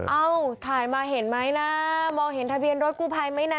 เอ้าถ่ายมาเห็นไหมนะมองเห็นทะเบียนรถกู้ภัยไหมนะ